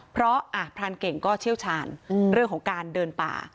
เพราะพรานเก่งก็เชี่ยวชาญเรื่องของการเดินป่า